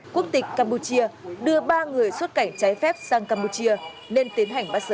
quốc tịch campuchia đưa ba người xuất cảnh trái phép sang campuchia nên tiến hành bắt giữ